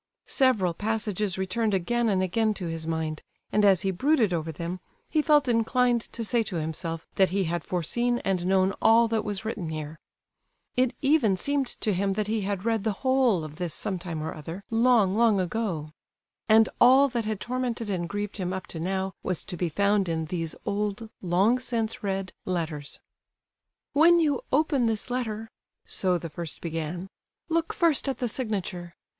Several passages returned again and again to his mind, and as he brooded over them, he felt inclined to say to himself that he had foreseen and known all that was written here; it even seemed to him that he had read the whole of this some time or other, long, long ago; and all that had tormented and grieved him up to now was to be found in these old, long since read, letters. "When you open this letter" (so the first began), "look first at the signature.